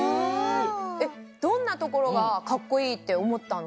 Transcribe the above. えっどんなところがかっこいいっておもったの？